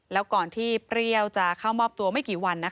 แล้วก่อนที่เปรี้ยวจะเข้ามอบตัวไม่กี่วัน